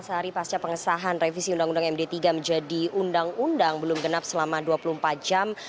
sehari pasca pengesahan revisi undang undang md tiga menjadi undang undang belum genap selama dua puluh empat jam